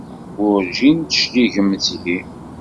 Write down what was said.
Werǧin d-tecligem seg-i!